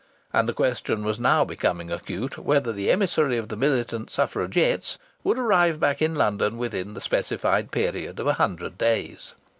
And the question was now becoming acute whether the emissary of the Militant Suffragettes would arrive back in London within the specified period of a hundred days.